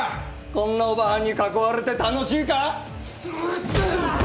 こんなオバハンに囲われて楽しいか？